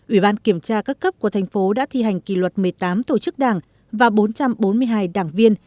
ủy ban kiểm tra các cấp của thành phố đã thi hành kỷ luật một mươi tám tổ chức đảng và bốn trăm bốn mươi hai đảng viên